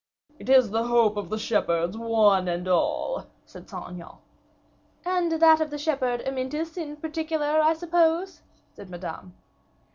"It is the hope of shepherds, one and all!" said Saint Aignan. "And that of the shepherd Amyntas in particular, I suppose?" said Madame.